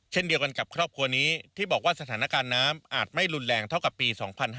เช่นเดียวกันกับครอบครัวนี้ที่บอกว่าสถานการณ์น้ำอาจไม่รุนแรงเท่ากับปี๒๕๕๙